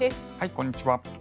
こんにちは。